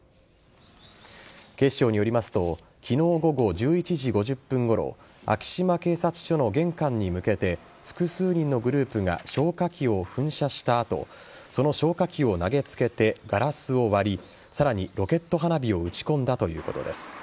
警視庁によりますと昨日午後１１時５０分ごろ昭島警察署の玄関に向けて複数人のグループが消火器を噴射した後その消火器を投げつけてガラスを割りさらにロケット花火を撃ち込んだということです。